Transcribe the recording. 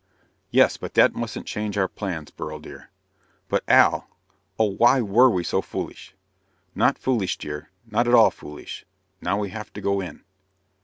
"Yes, but that mustn't change our plans, Beryl dear." "But, Al ... Oh, why were we so foolish?" "Not foolish, dear. Not at all foolish. Now we have to go in."